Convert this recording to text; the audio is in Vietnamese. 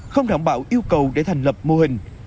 không đảm bảo yêu cầu để thành lập mô hình